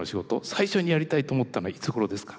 最初にやりたいと思ったのはいつごろですか？